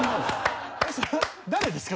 誰ですか？